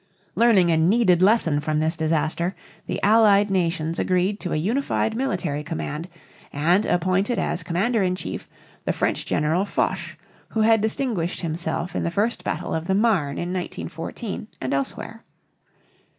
Learning a needed lesson from this disaster, the Allied nations agreed to a unified military command, and appointed as commander in chief the French General Foch (fosh), who had distinguished himself in the first battle of the Marne in 1914 and elsewhere.